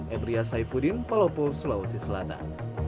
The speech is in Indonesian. ebria saifuddin palopo sulawesi selatan